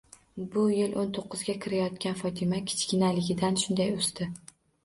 Bu yil o'n to'qqizga kirayotgan Fotima kichikligidan shunday o'sdi.